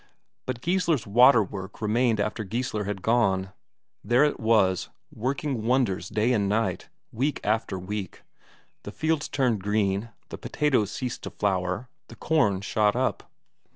But Geissler's waterwork remained after Geissler had gone; there it was, working wonders day and night, week after week; the fields turned green, the potatoes ceased to flower, the corn shot up....